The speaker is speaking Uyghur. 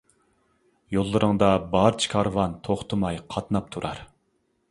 يوللىرىڭدا بارچە كارۋان توختىماي قاتناپ تۇرار.